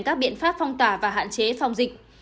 các biện pháp phong tỏa và hạn chế phòng dịch